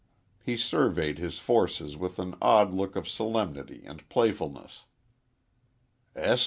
He surveyed his forces with an odd look of solemnity and playfulness. "S.